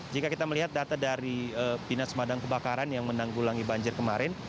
jika kita melihat data dari binas madang kebakaran yang menanggulangi banjir kemarin